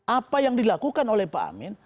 apa yang dilakukan oleh pak amin